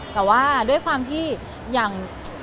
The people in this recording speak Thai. แต่ว่าด้วยความที่อย่าง